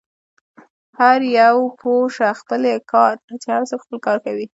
هر یو پوه شه، خپل يې کار، چې هر څوک خپل کار کوي.